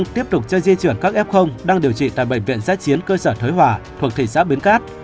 tiếp tục cho di chuyển các f đang điều trị tại bệnh viện giáy chiến cơ sở thuế hòa thuộc thị xã biến cát